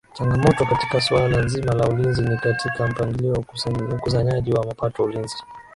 Changamoto katika suala nzima la Ulinzi ni katika mpangilio wa ukusanyaji wa mapato ulinzi